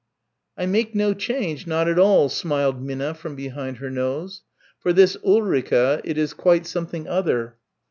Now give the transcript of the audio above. "I make no change, not at all," smiled Minna from behind her nose. "For this Ulrica it is quite something other....